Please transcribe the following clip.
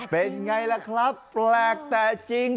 เป็นไงล่ะครับแปลกแต่จริง